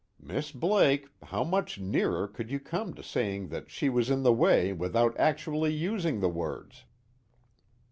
Miss Blake, how much nearer could you come to saying that she was in the way without actually using the words?"